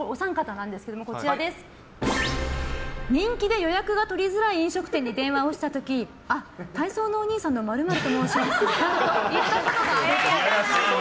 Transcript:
お三方なんですけど人気で予約が取りづらい飲食店に電話をした時あ、体操のおにいさんの○○と申しますと言ったことがあるっぽい。